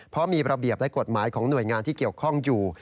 เพราะมีระเบียบและกฎหมายของหน่วยงานที่เกี่ยวข้องอยู่